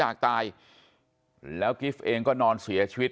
ตรของหอพักที่อยู่ในเหตุการณ์เมื่อวานนี้ตอนค่ำบอกให้ช่วยเรียกตำรวจให้หน่อย